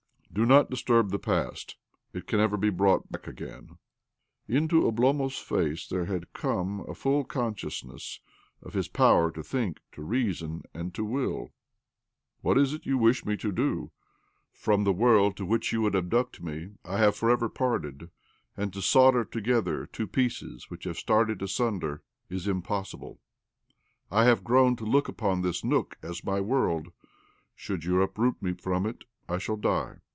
Do not disturb the past. It can never be brought back again." Into Oblomov's face there had come a full consciousness of his power to think, to reason, and to will. "What is it you wish me to do ? From: the world to which you would abduct me I have parted for ever ; and to solder together two pieces which have started asunder is impossible. I have grown to look upon this nook as my world. Should you uproot me from it, I 'shall die."